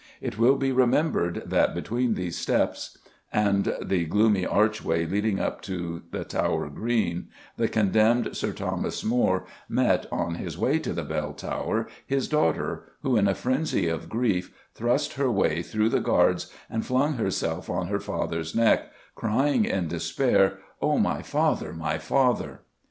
It will be remembered that between these steps and the [Illustration: THE TRAITOR'S GATE, FROM WITHIN] gloomy archway leading up to Tower Green, the condemned Sir Thomas More met, on his way to the Bell Tower, his daughter, who, in a frenzy of grief, thrust her way through the guards and flung herself on her father's neck, crying, in despair, "O my father, my father!"